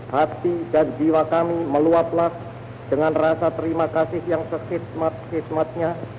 hati dan jiwa kami meluap lah dengan rasa terima kasih yang sesik mat kismatnya